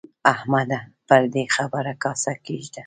احمده! پر دې خبره کاسه کېږده.